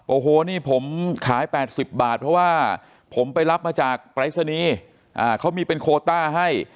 โอ้โหนี่ผมขาย๘๐บาทเพราะว่าผมไปรับมาจากปรายศนีย์เขามีเป็นโคต้าให้